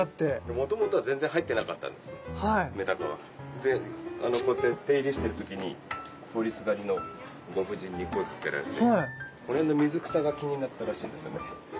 もともとは全然入ってなかったんですねメダカは。でこうやって手入れしてる時に通りすがりのご婦人に声かけられてこの辺の水草が気になったらしいんですよね。